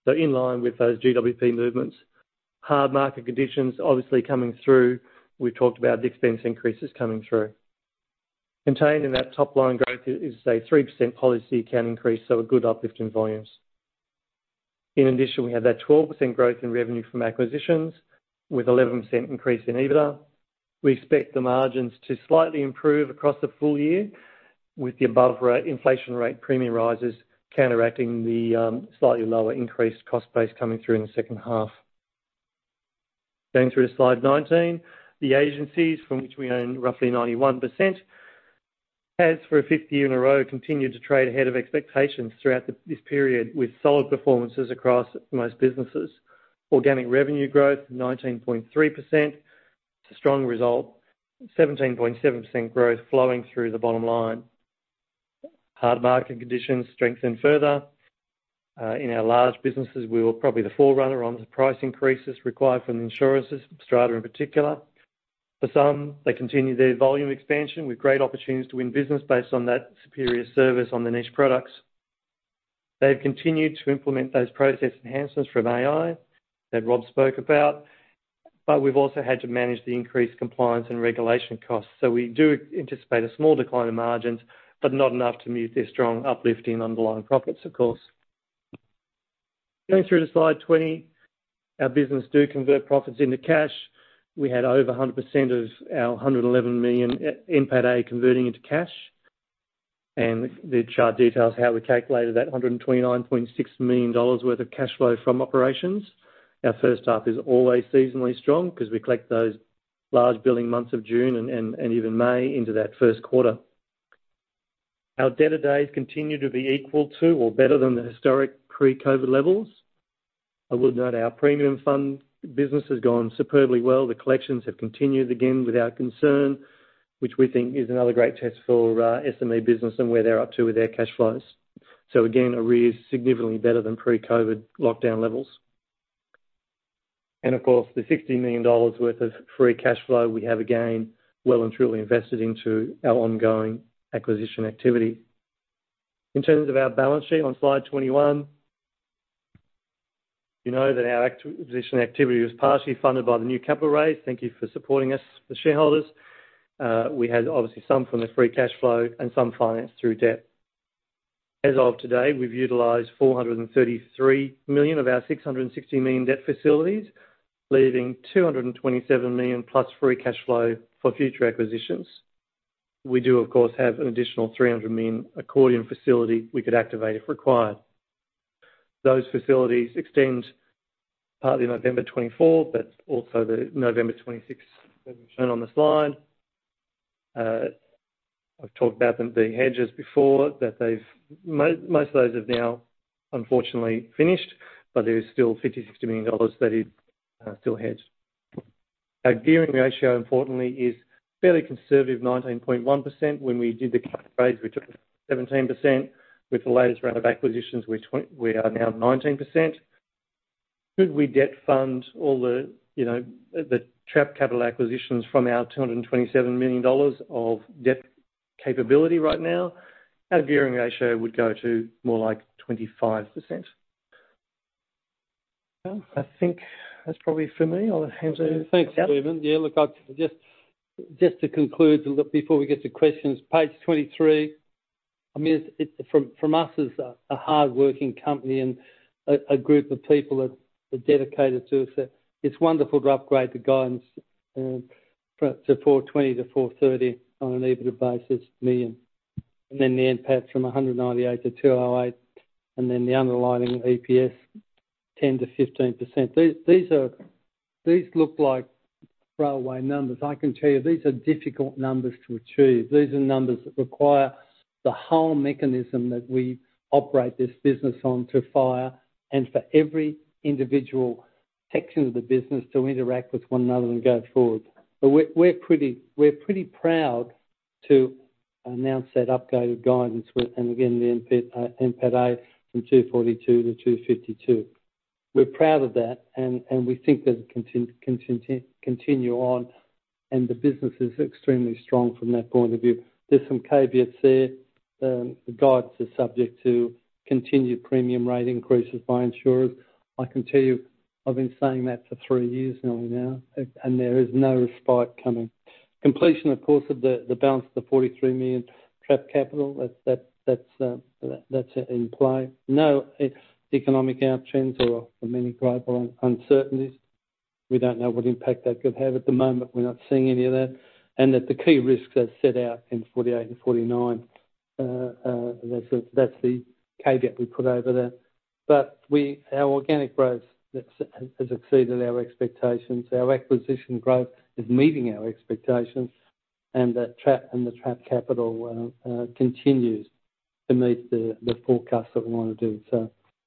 In line with those GWP movements. Hard market conditions obviously coming through. We've talked about the expense increases coming through. Contained in that top line growth is a 3% policy count increase, so a good uplift in volumes. In addition, we have that 12% growth in revenue from acquisitions with 11% increase in EBITA. We expect the margins to slightly improve across the full year with the above inflation rate premium rises counteracting the slightly lower increased cost base coming through in the second half. Going through to slide 19, the agencies from which we own roughly 91%, has for a fifth year in a row, continued to trade ahead of expectations throughout this period with solid performances across most businesses. Organic revenue growth, 19.3%. It's a strong result. 17.7% growth flowing through the bottom line. Hard market conditions strengthened further. In our large businesses, we were probably the forerunner on the price increases required from the insurers, Strata in particular. For some, they continued their volume expansion with great opportunities to win business based on that superior service on the niche products. They've continued to implement those process enhancements from AI that Robert spoke about, but we've also had to manage the increased compliance and regulation costs. We do anticipate a small decline in margins, but not enough to mute their strong uplift in underlying profits, of course. Going through to slide 20, our business do convert profits into cash. We had over 100% of our 111 million NPATA converting into cash. The chart details how we calculated that 129.6 million dollars worth of cash flow from operations. Our first half is always seasonally strong because we collect those large billing months of June and even May into that first quarter. Our debtor days continue to be equal to or better than the historic pre-COVID levels. I would note our premium fund business has gone superbly well. The collections have continued again without concern, which we think is another great test for SME business and where they're up to with their cash flows. Again, arrears significantly better than pre-COVID lockdown levels. Of course, the 60 million dollars worth of free cash flow we have again, well and truly invested into our ongoing acquisition activity. In terms of our balance sheet on slide 21, you know that our position activity was partially funded by the new capital raise. Thank you for supporting us, the shareholders. We had obviously some from the free cash flow and some financed through debt. As of today, we've utilized 433 million of our 660 million debt facilities, leaving 227 million plus free cash flow for future acquisitions. We do, of course, have an additional 300 million accordion facility we could activate if required. Those facilities extend partly November 2024, but also the November 2026 as shown on the slide. I've talked about them, the hedges before, that most of those have now, unfortunately finished, but there is still 50 million-60 million dollars that is still hedged. Our gearing ratio, importantly, is fairly conservative, 19.1%. When we did the capital raise, we took 17%. With the latest round of acquisitions, we are now 19%. Could we debt fund all the, you know, the trapped capital acquisitions from our 227 million dollars of debt capability right now? Our gearing ratio would go to more like 25%. Well, I think that's probably it for me. I'll hand over to Robert. Thanks, Stephen. Look, I'll just to conclude look, before we get to questions, page 23. I mean, it's from us as a hardworking company and a group of people that are dedicated to it, so it's wonderful to upgrade the guidance to 420 million to 430 million on an EBITDA basis. The NPAT from 198 million to 208 million, and then the underlying EPS, 10%-15%. These look like railway numbers. I can tell you these are difficult numbers to achieve. These are numbers that require the whole mechanism that we operate this business on to fire and for every individual section of the business to interact with one another and go forward. We're pretty proud to announce that upgraded guidance with, and again, the NPATA from 242 to 252. We're proud of that and we think that it continue on, and the business is extremely strong from that point of view. There's some caveats there. The guides are subject to continued premium rate increases by insurers. I can tell you I've been saying that for 3 years now, yeah, and there is no respite coming. Completion, of course, of the balance of the 43 million trapped capital. That's in play. No, it's economic out trends or many global uncertainties. We don't know what impact that could have. At the moment, we're not seeing any of that. That the key risks are set out in 48 and 49. That's the caveat we put over that. Our organic growth has exceeded our expectations. Our acquisition growth is meeting our expectations. The trapped capital continues to meet the forecast that we wanna do.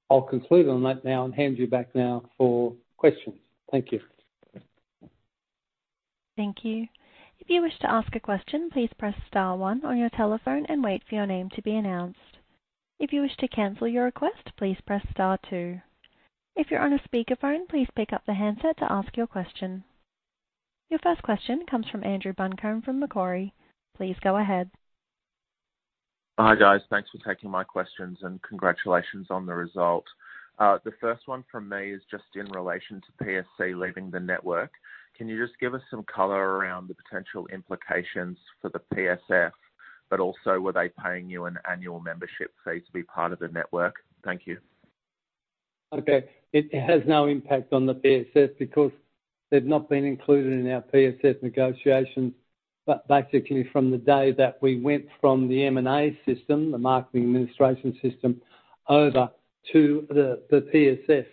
I'll conclude on that now and hand you back now for questions. Thank you. Thank you. If you wish to ask a question, please press star one on your telephone and wait for your name to be announced. If you wish to cancel your request, please press star two. If you're on a speakerphone, please pick up the handset to ask your question. Your first question comes from Andrew Buncombe from Macquarie. Please go ahead. Hi, guys. Thanks for taking my questions. Congratulations on the result. The first one from me is just in relation to PSC leaving the network. Can you just give us some color around the potential implications for the PSF, but also were they paying you an annual membership fee to be part of the network? Thank you. Okay. It has no impact on the PSF because they've not been included in our PSF negotiations. Basically, from the day that we went from the M&A system, the marketing administration system, over to the PSF,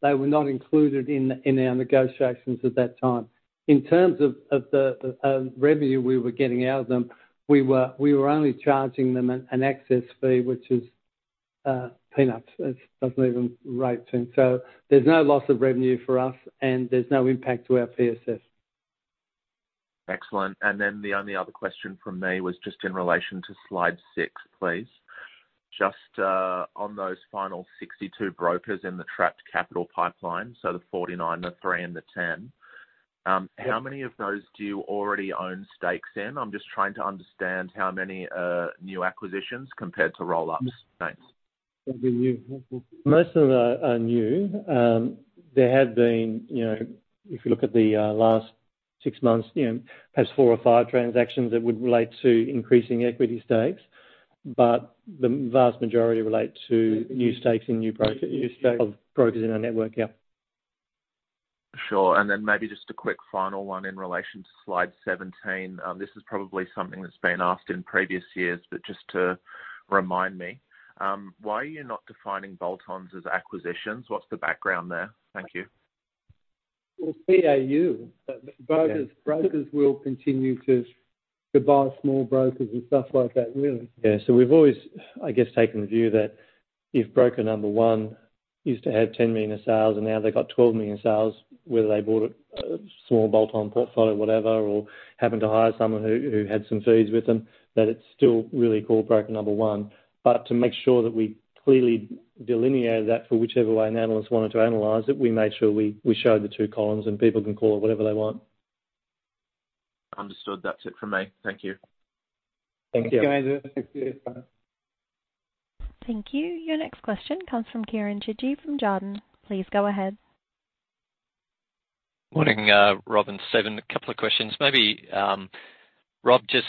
they were not included in our negotiations at that time. In terms of the revenue we were getting out of them, we were only charging them an access fee, which is peanuts. It doesn't even rate. There's no loss of revenue for us, and there's no impact to our PSF. Excellent. Then the only other question from me was just in relation to slide 6, please. Just on those final 62 brokers in the trapped capital pipeline, so the 49, the 3 and the 10. How many of those do you already own stakes in? I'm just trying to understand how many new acquisitions compared to roll-ups. Thanks. Most of them are new. There have been, you know, if you look at the last 6 months, you know, perhaps 4 or 5 transactions that would relate to increasing equity stakes. The vast majority relate to new stakes in new brokers. New stakes. Of brokers in our network, yeah. Sure. Maybe just a quick final one in relation to slide 17. This is probably something that's been asked in previous years, but just to remind me, why are you not defining bolt-ons as acquisitions? What's the background there? Thank you. Well, CAU. Okay. Brokers will continue to buy small brokers and stuff like that, really. Yeah. We've always, I guess, taken the view that if broker number one used to have 10 million sales and now they've got 12 million sales, whether they bought a small bolt-on portfolio, whatever, or happened to hire someone who had some fees with them, that it's still really called broker number one. To make sure that we clearly delineate that for whichever way an analyst wanted to analyze it, we made sure we showed the two columns, and people can call it whatever they want. Understood. That's it from me. Thank you. Thank you. Thank you. Your next question comes from Kieren Chidgey from Jarden. Please go ahead. Morning, Robert and Stephen. A couple of questions. Maybe, Robert, just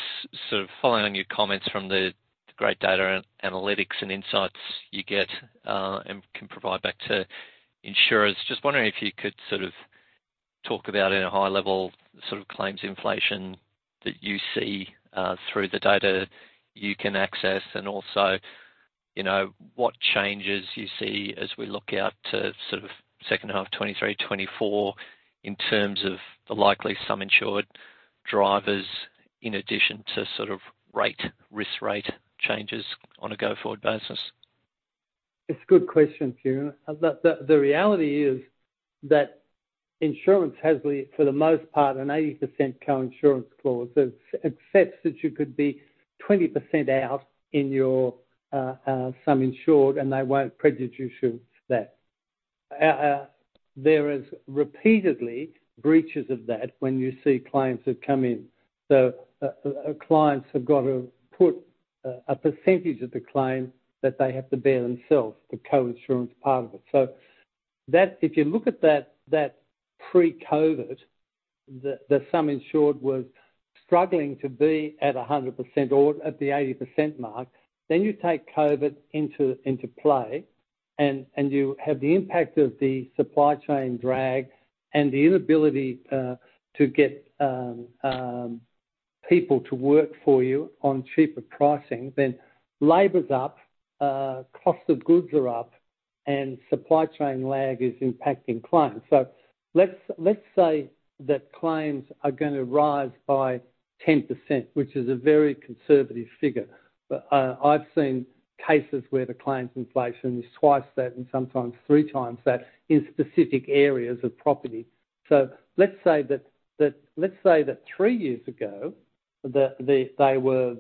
sort of following on your comments from the great data analytics and insights you get and can provide back to insurers. Just wondering if you could sort of talk about, at a high level, the sort of claims inflation that you see through the data you can access and also, you know, what changes you see as we look out to sort of second half 2023, 2024 in terms of the likely some insured drivers in addition to sort of risk rate changes on a go-forward basis? It's a good question, Kieran. The reality is that insurance has, for the most part, an 80% coinsurance clause that accepts that you could be 20% out in your sum insured and they won't prejudice you for that. There is repeatedly breaches of that when you see claims that come in. Clients have got to put a percentage of the claim that they have to bear themselves, the coinsurance part of it. That if you look at that pre-COVID, the sum insured was struggling to be at a 100% or at the 80% mark. You take COVID into play. You have the impact of the supply chain drag and the inability to get people to work for you on cheaper pricing, then labor's up, cost of goods are up and supply chain lag is impacting claims. Let's say that claims are gonna rise by 10%, which is a very conservative figure. I've seen cases where the claims inflation is twice that and sometimes three times that in specific areas of property. Let's say that 3 years ago that they were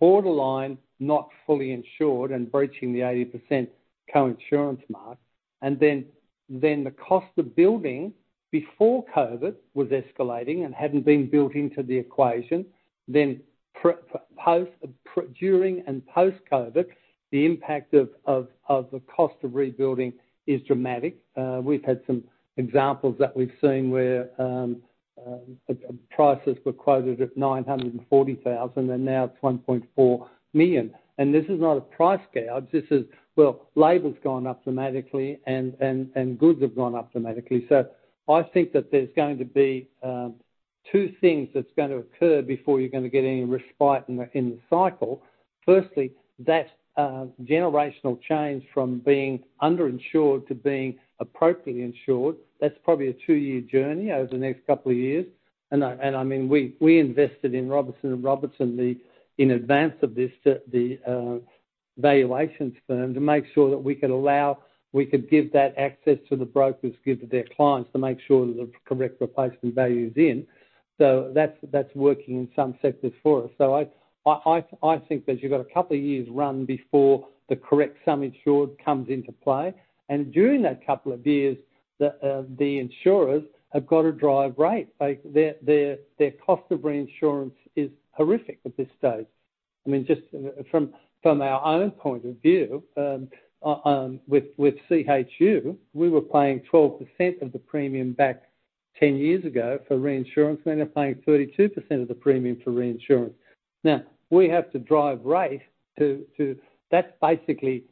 borderline, not fully insured and breaching the 80% coinsurance mark, and then the cost of building before COVID was escalating and hadn't been built into the equation. During and post-COVID, the impact of the cost of rebuilding is dramatic. We've had some examples that we've seen where prices were quoted at 940,000, and now it's 1.4 million. This is not a price gouge. This is, well, labor's gone up dramatically and goods have gone up dramatically. I think that there's going to be 2 things that's gonna occur before you're gonna get any respite in the cycle. Firstly, that generational change from being under-insured to being appropriately insured. That's probably a 2-year journey over the next couple of years. I mean, we invested in Robertson and Robertson, in advance of this to the valuations firm to make sure that we could give that access to the brokers, give to their clients to make sure that the correct replacement value is in. That's, that's working in some sectors for us. I think that you've got a couple of years run before the correct sum insured comes into play. During that couple of years, the insurers have got to drive rate. Their cost of reinsurance is horrific at this stage. I mean, just from our own point of view, with CHU, we were paying 12% of the premium back 10 years ago for reinsurance, and they're paying 32% of the premium for reinsurance. We have to drive rate to. That's basically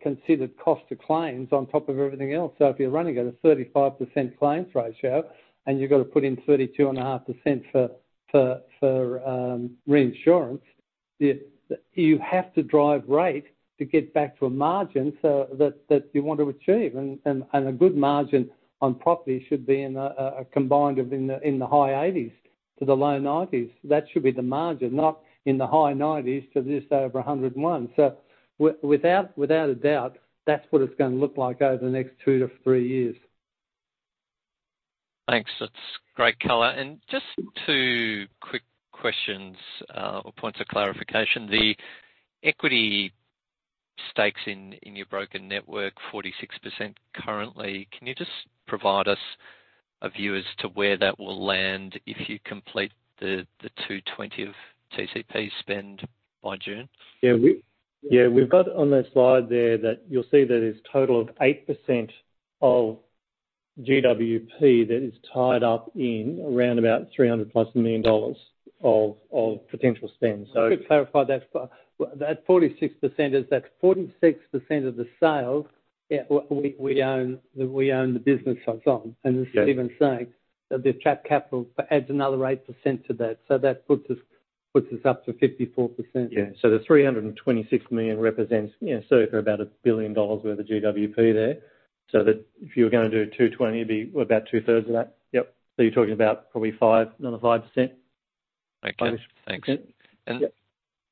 considered cost of claims on top of everything else. If you're running at a 35% claims ratio and you've got to put in 32.5% for reinsurance, you have to drive rate to get back to a margin so that you want to achieve. A good margin on property should be in a combined of in the high 80s to the low 90s. That should be the margin, not in the high 90s to just over 101. Without a doubt, that's what it's gonna look like over the next 2-3 years. Thanks. That's great color. Just 2 quick questions, or points of clarification. The equity stakes in your broker network, 46% currently. Can you just provide us a view as to where that will land if you complete the 220 of TCP spend by June? Yeah, we've got on the slide there that you'll see that it's total of 8% of GWP that is tied up in around about 300+ million dollars of potential spend. To clarify that 46% is that 46% of the sale, yeah, we own the business that's on. Yeah. As Stephen's saying, that the trapped capital adds another 8% to that. That puts us up to 54%. Yeah. The 326 million represents, you know, sort of about 1 billion dollars worth of GWP there. That if you were gonna do 220 million, it'd be about two-thirds of that. Yep. You're talking about probably 5, another 5%. Okay. Thanks. Yeah. And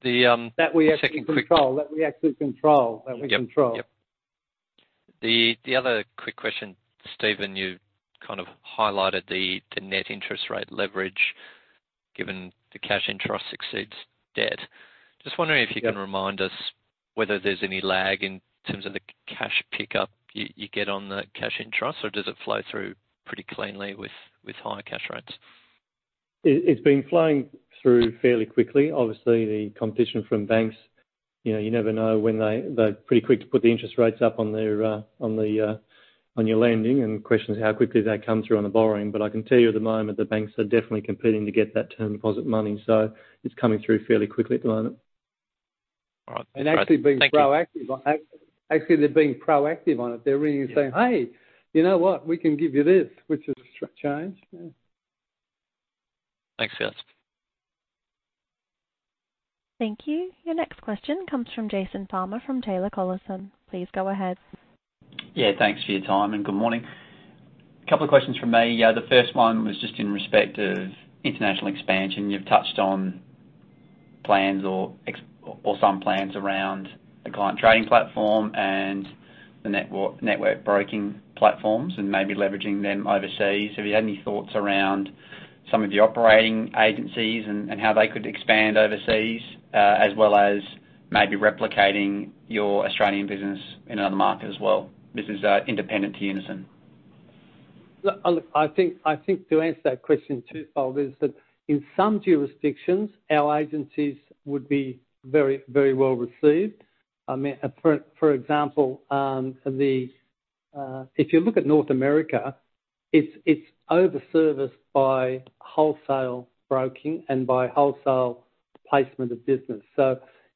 the, That we actually control. Second. That we actually control. Yep. That we control. Yep. The other quick question, Stephen, you kind of highlighted the net interest rate leverage given the cash interest exceeds debt. Just wondering if you can remind us whether there's any lag in terms of the cash pickup you get on the cash interest, or does it flow through pretty cleanly with higher cash rates? It's been flowing through fairly quickly. Obviously, the competition from banks, you know, you never know when they. They're pretty quick to put the interest rates up on their, on the, on your lending and questions how quickly they come through on the borrowing. I can tell you at the moment, the banks are definitely competing to get that term deposit money. It's coming through fairly quickly at the moment. All right. Great. Thank you. Actually being proactive on it. Actually, they're being proactive on it. They're ringing and saying, "Hey, you know what? We can give you this," which has changed. Yeah. Thanks guys. Thank you. Your next question comes from Jason Farmer, from Taylor Collison. Please go ahead. Thanks for your time, good morning. A couple of questions from me. The first one was just in respect of international expansion. You've touched on plans or some plans around the Client Trading Platform and the network broking platforms and maybe leveraging them overseas. Have you had any thoughts around some of the operating agencies and how they could expand overseas, as well as maybe replicating your Australian business in another market as well? This is independent to Unison. Look, I think, I think to answer that question twofold is that in some jurisdictions, our agencies would be very, very well received. I mean, for example, if you look at North America, it's over-serviced by wholesale broking and by wholesale placement of business.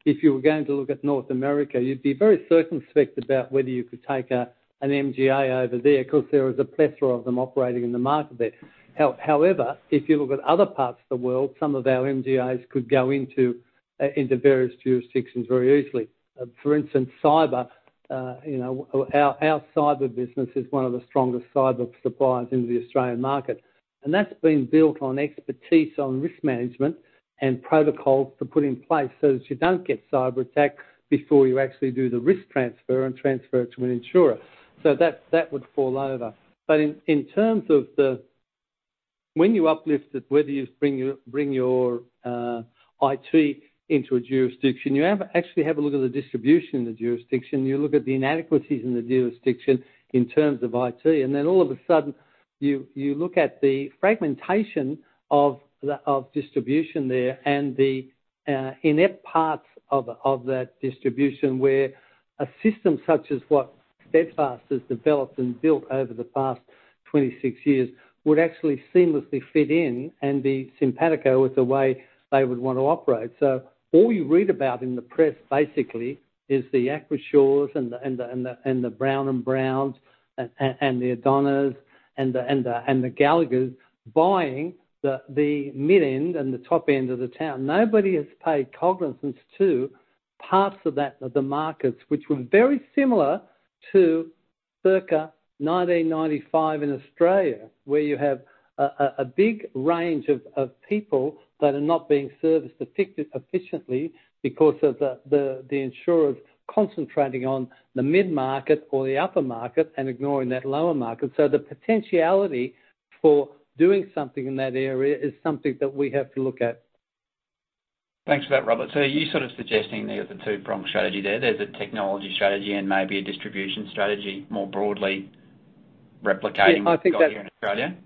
If you were going to look at North America, you'd be very circumspect about whether you could take an MGA over there 'cause there is a plethora of them operating in the market there. However, if you look at other parts of the world, some of our MGAs could go into various jurisdictions very easily. For instance, cyber, you know, our cyber business is one of the strongest cyber suppliers in the Australian market. That's been built on expertise on risk management and protocols to put in place so that you don't get cyberattacked before you actually do the risk transfer and transfer it to an insurer. That would fall over. In terms of the when you uplift it, whether you bring your IT into a jurisdiction, actually have a look at the distribution in the jurisdiction, you look at the inadequacies in the jurisdiction in terms of IT, all of a sudden you look at the fragmentation of the distribution there and the inept parts of that distribution, where a system such as what Steadfast has developed and built over the past 26 years would actually seamlessly fit in and be simpatico with the way they would want to operate. All you read about in the press basically is the Acrisures and the Brown & Browns and the Ardonaghs and the Gallaghers buying the mid-end and the top-end of the town. Nobody has paid cognizance to parts of that, of the markets, which were very similar to circa 1995 in Australia, where you have a big range of people that are not being serviced efficiently because of the insurers concentrating on the mid-market or the upper market and ignoring that lower market. The potentiality for doing something in that area is something that we have to look at. Thanks for that, Robert. Are you sort of suggesting there's a two-pronged strategy there? There's a technology strategy and maybe a distribution strategy more broadly replicating- Yeah, I think. What you've got here in Australia.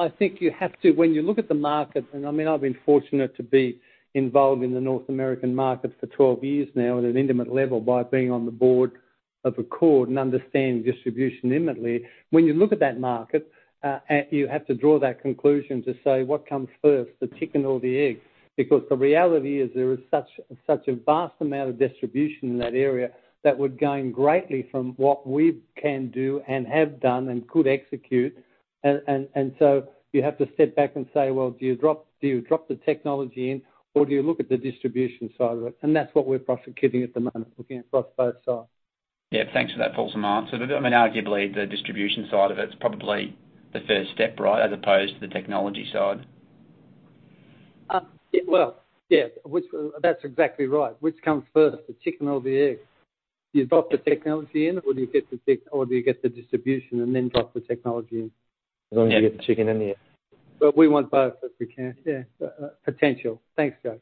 I think you have to. When you look at the market, and I mean, I've been fortunate to be involved in the North American market for 12 years now at an intimate level by being on the board of ACORD and understanding distribution intimately. When you look at that market, you have to draw that conclusion to say, "What comes first, the chicken or the egg?" Because the reality is there is such a vast amount of distribution in that area that would gain greatly from what we can do and have done and could execute. So you have to sit back and say, "Well, do you drop the technology in or do you look at the distribution side of it?" That's what we're prosecuting at the moment, looking across both sides. Yeah. Thanks for that fulsome answer. I mean, arguably the distribution side of it is probably the first step, right? As opposed to the technology side. Well, yeah. Which, that's exactly right. Which comes first, the chicken or the egg? Do you drop the technology in, or do you get the distribution and then drop the technology in? As long as you get the chicken and the egg. Well, we want both if we can. Yeah. Potential. Thanks, Josh.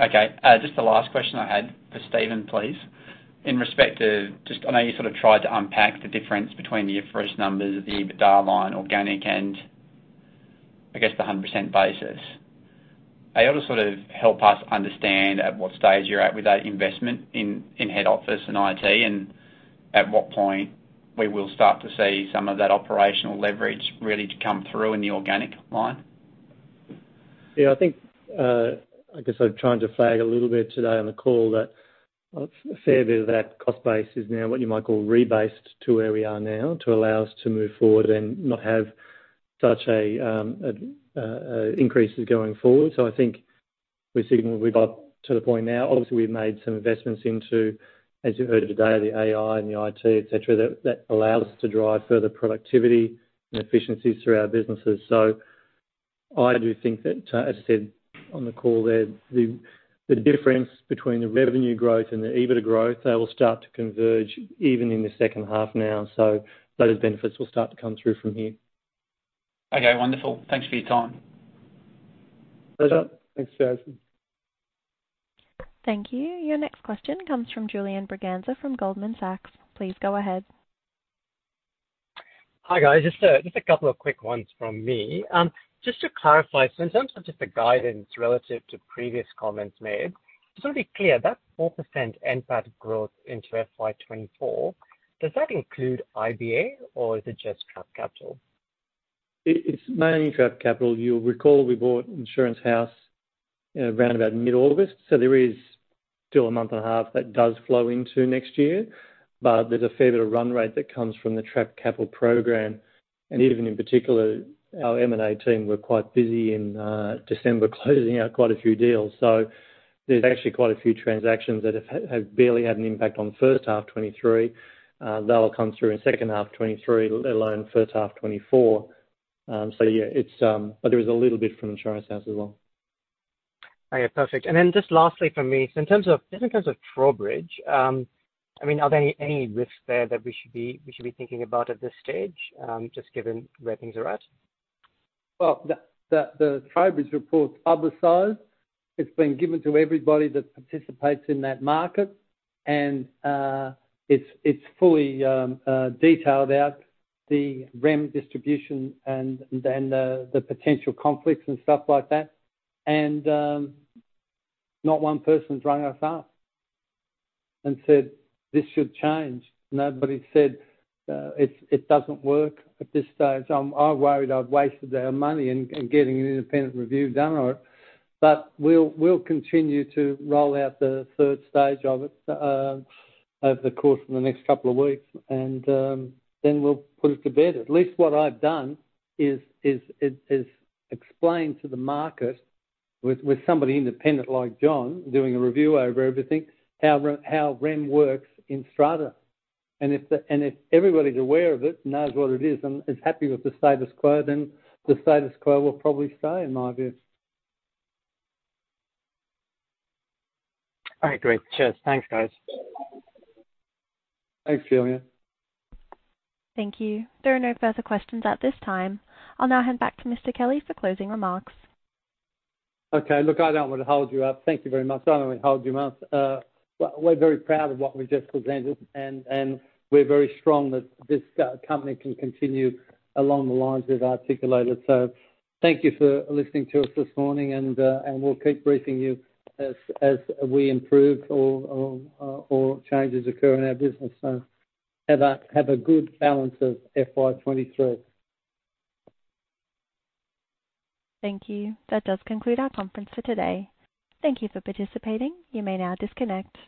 Okay. Just the last question I had for Stephen, please. In respect to I know you sort of tried to unpack the difference between the IFRS numbers, the EBITDA line, organic and, I guess, the 100% basis. Are you able to sort of help us understand at what stage you're at with that investment in head office and IT, and at what point we will start to see some of that operational leverage really to come through in the organic line? I think, I guess I'm trying to flag a little bit today on the call that a fair bit of that cost base is now what you might call rebased to where we are now to allow us to move forward and not have such increases going forward. I think we're signaling we're about to the point now. Obviously, we've made some investments into, as you've heard today, the AI and the IT, et cetera, that allow us to drive further productivity and efficiencies through our businesses. I do think that, as I said on the call there, the difference between the revenue growth and the EBITDA growth, they will start to converge even in the second half now. Those benefits will start to come through from here. Okay, wonderful. Thanks for your time. Pleasure. Thanks, Jason. Thank you. Your next question comes from Julian Braganza from Goldman Sachs. Please go ahead. Hi, guys. Just a couple of quick ones from me. In terms of just the guidance relative to previous comments made, just want to be clear, that 4% NPAT growth into FY 2024, does that include IBA or is it just trapped capital? It's mainly trapped capital. You'll recall we bought Insurance House in around about mid-August, there is still a month and a half that does flow into 2024. There's a fair bit of run rate that comes from the trapped capital program. Even in particular, our M&A team were quite busy in December closing out quite a few deals. There's actually quite a few transactions that have barely had an impact on the first half 2023. They'll come through in second half 2023, let alone first half 2024. Yeah, it's... There is a little bit from Insurance House as well. Okay, perfect. Just lastly from me, in terms of, just in terms of Trowbridge, I mean, are there any risks there that we should be, we should be thinking about at this stage, just given where things are at? The Trowbridge Report's publicized. It's been given to everybody that participates in that market and it's fully detailed out the REM distribution and then the potential conflicts and stuff like that. Not one person's rung us up and said, "This should change." Nobody said, "It doesn't work at this stage." I worried I'd wasted our money in getting an independent review done on it. We'll continue to roll out the third stage of it over the course of the next couple of weeks and then we'll put it to bed. At least what I've done is explain to the market with somebody independent like John doing a review over everything, how REM works in Strata. If everybody's aware of it, knows what it is and is happy with the status quo, then the status quo will probably stay, in my view. All right, great. Cheers. Thanks, guys. Thanks, Julian. Thank you. There are no further questions at this time. I'll now hand back to Mr. Kelly for closing remarks. Okay. Look, I don't want to hold you up. Thank you very much. I don't want to hold you up. We're very proud of what we just presented and we're very strong that this company can continue along the lines we've articulated. Thank you for listening to us this morning and we'll keep briefing you as we improve or changes occur in our business. Have a good balance of FY 23. Thank you. That does conclude our conference for today. Thank you for participating. You may now disconnect.